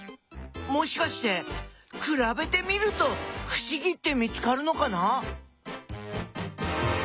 もしかしてくらべてみるとふしぎって見つかるのかな？